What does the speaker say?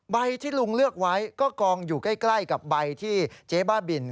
ที่ลุงเลือกไว้ก็กองอยู่ใกล้กับใบที่เจ๊บ้าบิน